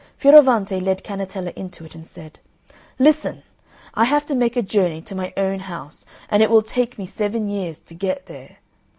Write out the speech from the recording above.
Fioravante led Cannetella into it and said, "Listen! I have to make a journey to my own house, and it will take me seven years to get there.